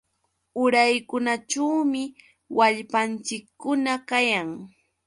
Uraykunaćhuumi wallpanchikkuna kayan.